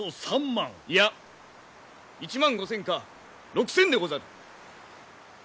いや１万５，０００か６，０００でござる。